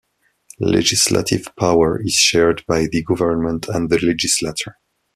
Legislative power is shared by the government and the legislature.